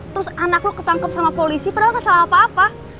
terus anak lo ketangkep sama polisi padahal gak salah apa apa